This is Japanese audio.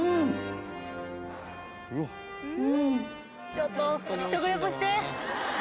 ちょっと食レポして。